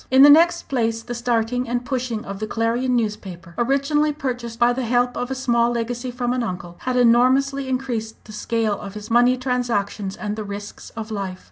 In the next place, the starting and pushing of the Clarion newspaper originally purchased by the help of a small legacy from an uncle had enormously increased the scale of his money transactions and the risks of life.